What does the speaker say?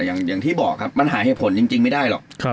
อย่างที่บอกครับมันหาเหตุผลจริงไม่ได้หรอก